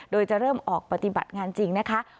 โดยจะเริ่มออกปฏิบัติงานจริงนะคะ